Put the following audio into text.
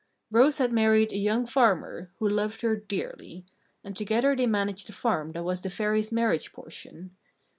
Rose had married a young farmer, who loved her dearly; and together they managed the farm that was the Fairy's marriage portion.